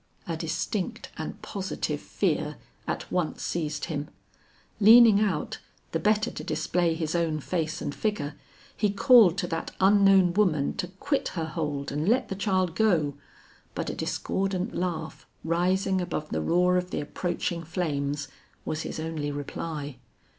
A distinct and positive fear at once seized him. Leaning out, the better to display his own face and figure, he called to that unknown woman to quit her hold and let the child go; but a discordant laugh, rising above the roar of the approaching flames, was his only reply.